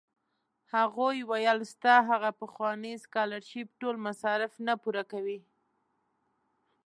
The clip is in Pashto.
هغوی ویل ستا هغه پخوانی سکالرشېپ ټول مصارف نه پوره کوي.